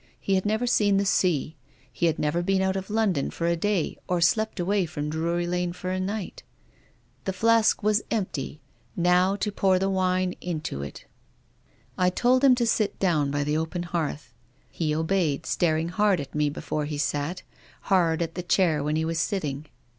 He had never seen the sea. He had never been out of London for a day or slept away from Drury Lane for a night. The flask was empty ; now to pour the wine into it. I told him to sit down by the open hearth. He obeyed, staring hard at me before he sat, hard at the chair when he was sitting.